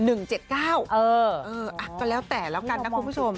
ก็แล้วแต่แล้วกันนะคุณผู้ชม